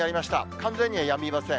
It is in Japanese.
完全にはやみません。